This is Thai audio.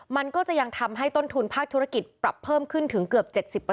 มันก็จะยังทำให้ต้นทุนภาคธุรกิจปรับเพิ่มขึ้นถึงเกือบ๗๐